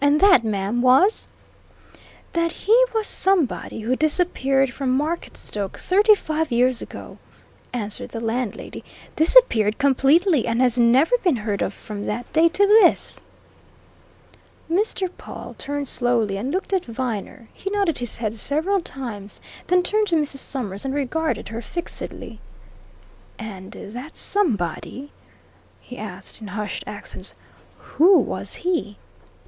"And that, ma'am, was " "That he was somebody who disappeared from Marketstoke thirty five years ago," answered the landlady, "disappeared completely, and has never been heard of from that day to this!" Mr. Pawle turned slowly and looked at Viner. He nodded his head several times, then turned to Mrs. Summers and regarded her fixedly. "And that somebody?" he asked in hushed accents. "Who was he?"